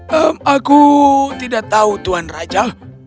hmm aku tidak tahu tuan raja